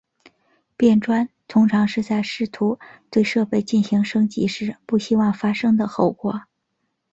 变砖通常是在试图对设备进行升级时不希望发生的后果。